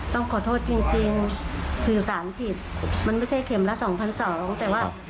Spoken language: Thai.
ต้องขอโทษจริงถือสารผิดมันไม่ใช่เข็มละ๒๒๐๐แต่ว่า